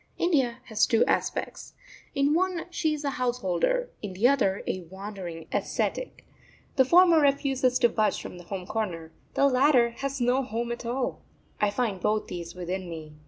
India has two aspects in one she is a householder, in the other a wandering ascetic. The former refuses to budge from the home corner, the latter has no home at all. I find both these within me.